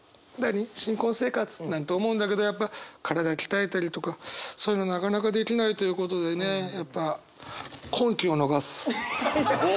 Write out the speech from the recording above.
新婚生活なんて思うんだけどやっぱ体鍛えたりとかそういうのなかなかできないということでねやっぱお！